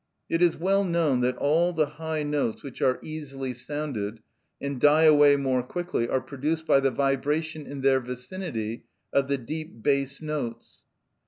It is well known that all the high notes which are easily sounded, and die away more quickly, are produced by the vibration in their vicinity of the deep bass notes.